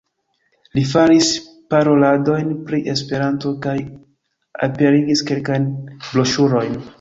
Li faris paroladojn pri Esperanto kaj aperigis kelkajn broŝurojn.